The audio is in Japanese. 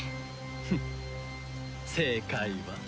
フッ正解は。